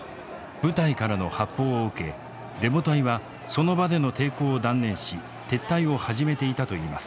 部隊からの発砲を受けデモ隊はその場での抵抗を断念し撤退を始めていたといいます。